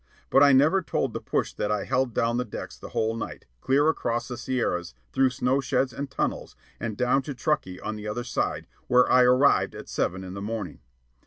But I never told the push that I held down the decks the whole night, clear across the Sierras, through snow sheds and tunnels, and down to Truckee on the other side, where I arrived at seven in the morning.